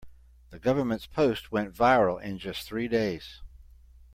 The government's post went viral in just three days.